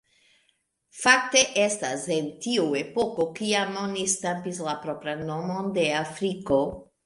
Fakte estas en tiu epoko kiam oni stampis la propran nomon de Afriko.